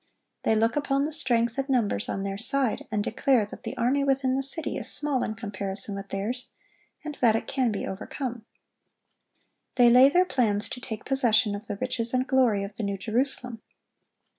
They look upon the strength and numbers on their side, and declare that the army within the city is small in comparison with theirs, and that it can be overcome. They lay their plans to take possession of the riches and glory of the New Jerusalem.